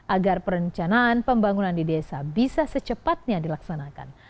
agar perencanaan pembangunan di desa bisa secepatnya dilaksanakan